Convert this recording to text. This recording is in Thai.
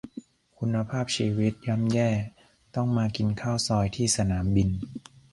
คุณภาพชีวิตย่ำแย่ ต้องมากินข้าวซอยที่สนามบิน